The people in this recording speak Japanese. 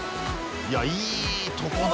いやいいとこだ。